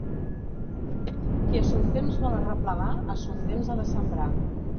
Qui a son temps vol arreplegar, a son temps ha de sembrar.